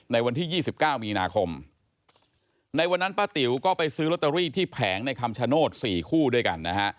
ในวันที่๒๙มีนาคมในวันนั้นป้าติ๋วก็ไปซื้อลอตเตอรี่ที่แผงในคำชโนธ๔คู่ด้วยกันนะฮะ